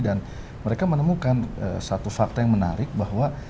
dan mereka menemukan satu fakta yang menarik bahwa